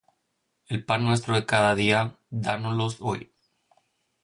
El pan nuestro de cada día, dános lo hoy.